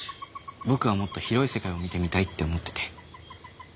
僕はもっと広い世界を見てみたいって思ってて。